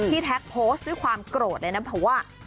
แท็กโพสต์ด้วยความโกรธเลยนะเพราะว่า